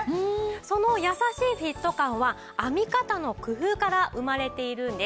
その優しいフィット感は編み方の工夫から生まれているんです。